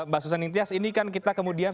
bah susaning tias ini kan kita kemudian